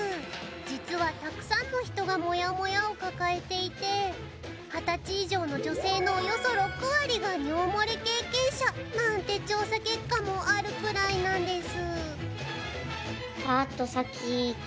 実は、たくさんの人がモヤモヤを抱えていて二十歳以上の女性のおよそ６割が尿漏れ経験者、なんて調査結果もあるくらいなんです。